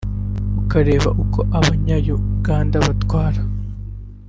ukareba uko abanya Uganda batwara